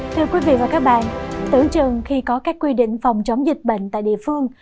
thưa quý vị và các bạn tưởng chừng khi có các quy định phòng chống dịch bệnh tại địa phương